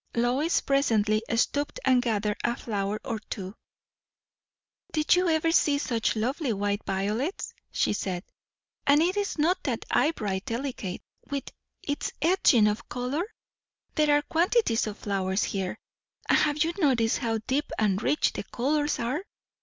Lois presently stooped and gathered a flower or two. "Did yon ever see such lovely white violets?" she said; "and is not that eyebright delicate, with its edging of colour? There are quantities of flowers here. And have you noticed how deep and rich the colours are?